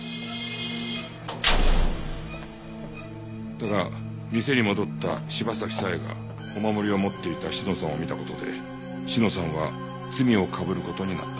だが店に戻った柴崎佐江がお守りを持っていた志乃さんを見た事で志乃さんは罪を被る事になった。